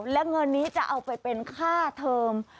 และเงินนี้จะเอาไปเป็นค่าเทอม